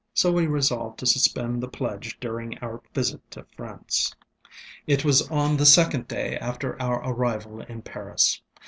So we resolved to suspend the pledge during our visit to France. ŌĆ£It was on the second day after our arrival in Paris.